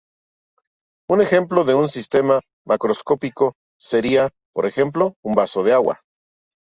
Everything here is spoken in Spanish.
Un ejemplo de un sistema macroscópico sería, por ejemplo, un vaso de agua.